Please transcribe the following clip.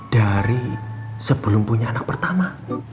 dari sebelum punya anak pertama